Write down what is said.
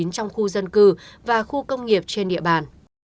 trong khu dân cư và khu công nghiệp trên địa bàn